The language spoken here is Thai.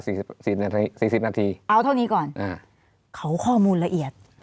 สี่นาทีสี่สิบนาทีเอาเท่านี้ก่อนอ่าเขาข้อมูลละเอียด